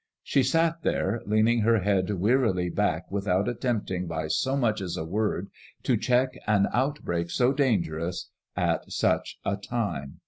She sat there leaning her head wearily back without attempting by so much as a word to check an out break so dangerous at such 9 feime.